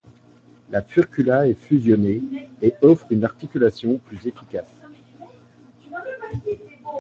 La furcula est fusionnée et offre une articulation plus efficace.